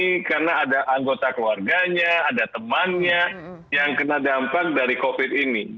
ini karena ada anggota keluarganya ada temannya yang kena dampak dari covid ini